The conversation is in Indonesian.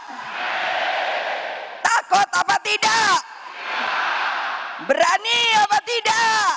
nanti katanya saya bumega provokator ya saya sekarang provokator demi keadilan